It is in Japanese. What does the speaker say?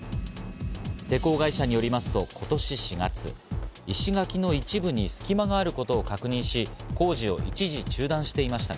施工会社によりますと今年４月、石垣の一部に隙間があることを確認し、工事を一時中断していました。